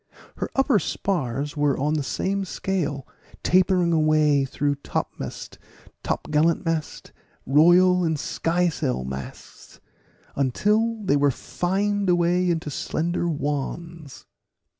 Her upper spars were on the same scale, tapering away through topmast, topgallant mast, royal and skysail masts, until they fined away into slender wands.